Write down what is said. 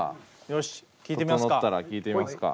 よし聴いてみますか。